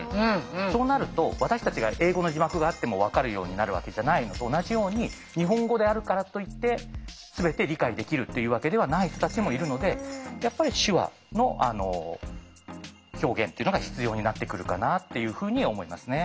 そうなると私たちが英語の字幕があっても分かるようになるわけじゃないのと同じように日本語であるからといって全て理解できるっていうわけではない人たちもいるのでやっぱり手話の表現っていうのが必要になってくるかなっていうふうに思いますね。